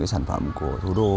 cái sản phẩm của thủ đô